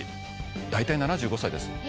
大体７５歳です。